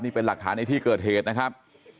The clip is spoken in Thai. นี่เป็นหลักฐานในที่เกิดเหตุนะครับ